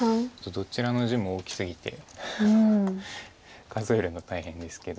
どちらの地も大きすぎて数えるの大変ですけど。